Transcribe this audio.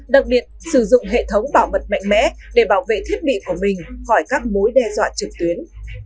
đặc biệt sử dụng hệ thống bảo mật mạnh mẽ để bảo vệ thiết bị của mình khỏi các mối đe dọa trực tuyến